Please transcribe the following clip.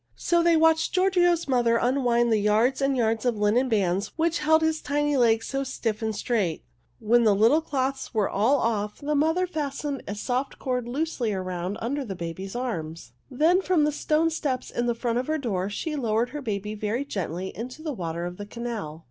So they watched Giorgio's mother unwind the yards and yards of linen bands which held his tiny legs so stiff and straight. When the little clothes were all off, the mother fastened a soft cord loosely around under the baby's arms. Then from the stone steps in front of her door, she lowered her baby very gently into the water of the canal.